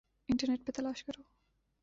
internet پر تلاش کر لو